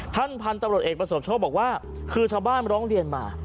พันธุ์ตำรวจเอกประสบโชคบอกว่าคือชาวบ้านร้องเรียนมา